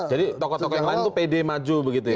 jadi tokoh tokoh yang lain itu pd maju begitu ya